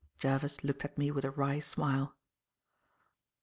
Jervis looked at me with a wry smile.